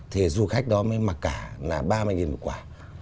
thì du khách đó mới mặc cả là ba mươi một quả